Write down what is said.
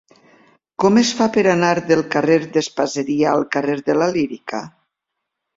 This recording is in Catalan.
Com es fa per anar del carrer d'Espaseria al carrer de la Lírica?